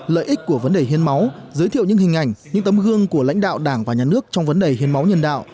lợi ích của vấn đề hiến máu giới thiệu những hình ảnh những tấm gương của lãnh đạo đảng và nhà nước trong vấn đề hiến máu nhân đạo